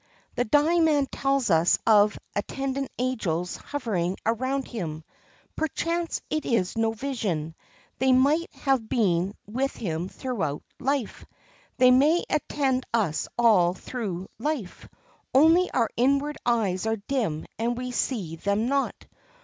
The dying man tells us of attendant angels hovering around him. Perchance it is no vision. They might have been with him through life. They may attend us all through life, only our inward eyes are dim and we see them not.